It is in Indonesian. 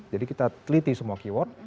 jadi kita teliti semua keyword